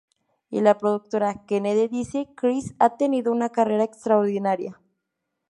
Y la productora Kennedy dice: “Chris ha tenido una carrera extraordinaria.